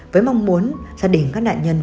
với mong muốn gia đình các nạn nhân